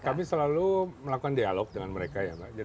ya kami selalu melakukan dialog dengan mereka ya